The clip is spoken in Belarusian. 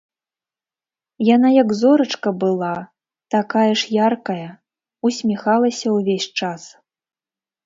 Яна як зорачка была, такая ж яркая, усміхалася ўвесь час.